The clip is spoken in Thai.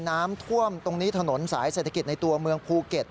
น้ำท่วมตรงนี้ถนนสายเศรษฐกิจในตัวเมืองภูเก็ต